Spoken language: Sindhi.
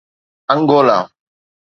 آنگولا